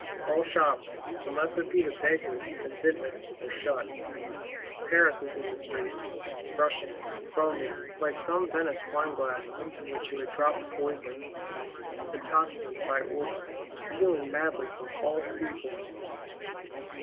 All shops, unless it be the Bakers' and Vintners', are shut: Paris is in the streets;—rushing, foaming like some Venice wine glass into which you had dropped poison. The tocsin, by order, is pealing madly from all steeples.